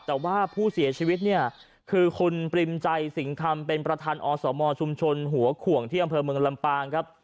แต่ว่าผู้เสียชีวิตเนี่ยคือคุณปริมใจสิงคำเป็นประธานอสมชุมชนหัวขวงที่อำเภอเมืองลำปางครับ